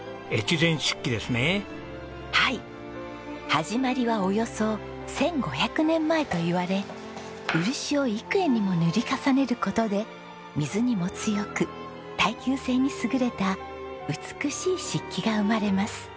始まりはおよそ１５００年前といわれ漆を幾重にも塗り重ねる事で水にも強く耐久性に優れた美しい漆器が生まれます。